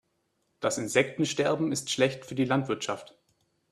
Das Insektensterben ist schlecht für die Landwirtschaft.